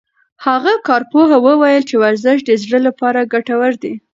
هغه کارپوه وویل چې ورزش د زړه لپاره ګټور دی.